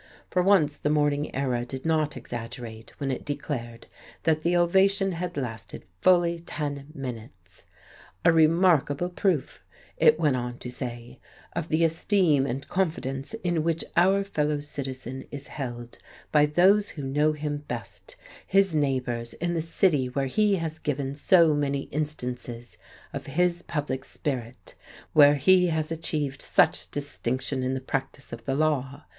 For once the Morning Era did not exaggerate when it declared that the ovation had lasted fully ten minutes. "A remarkable proof" it went on to say, "of the esteem and confidence in which our fellow citizen is held by those who know him best, his neighbours in the city where he has given so many instances of his public spirit, where he has achieved such distinction in the practice of the law.